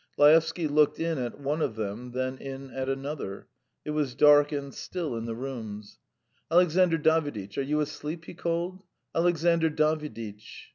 Laevsky looked in at one of them, then in at another; it was dark and still in the rooms. "Alexandr Daviditch, are you asleep?" he called. "Alexandr Daviditch!"